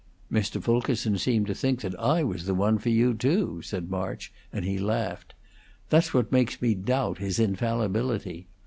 "Mr. Fulkerson seemed to think that I was the one for you, too," said March; and he laughed. "That's what makes me doubt his infallibility.